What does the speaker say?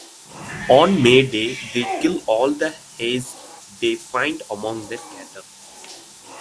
On May Day they kill all the hares they find among their cattle.